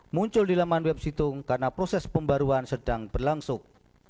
muncul di laman websitung karena proses pembaruan sedang berlangsung